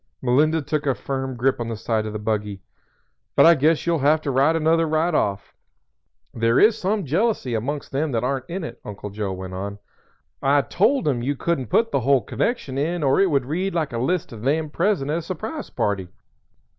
Melinda took a firm grip on the side of the buggy. "But I guess you'll have to write another right off. There is some jealousy amongst them that aren't in it," Uncle Joe went on. "I told 'em you couldn't put the whole connection in or it would read like a list of 'them present' at a surprise party.